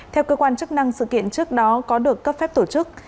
theo cơ quan chức năng sự kiện trước đó có được cấp phép tổ chức